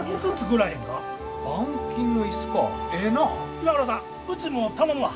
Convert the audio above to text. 岩倉さんうちも頼むわ。